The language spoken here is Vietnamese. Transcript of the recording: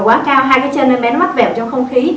quá cao hai cái chân em bé nó mắc vẻo trong không khí